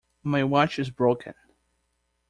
My watch is broken.